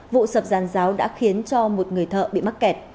vụ sập giàn giáo đã khiến cho một người thợ bị mắc kẹt